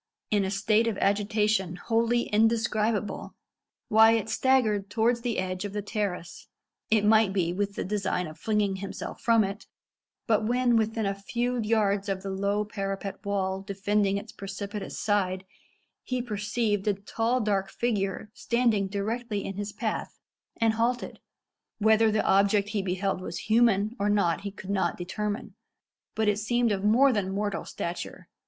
In a state of agitation wholly indescribable, Wyat staggered towards the edge of the terrace it might be with the design of flinging himself from it but when within a few yards of the low parapet wall defending its precipitous side, he perceived a tall dark figure standing directly in his path, and halted. Whether the object he beheld was human or not he could not determine, but it seemed of more than mortal stature.